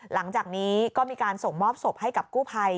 หลังจากนี้ก็มีการส่งมอบศพให้กับกู้ภัย